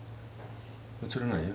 映らないよ。